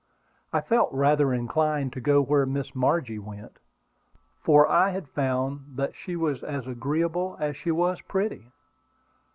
I felt rather inclined to go where Miss Margie went, for I had found she was as agreeable as she was pretty.